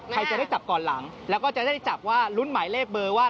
ใครจะได้จับก่อนหลังแล้วก็จะได้จับว่าลุ้นหมายเลขเบอร์ว่า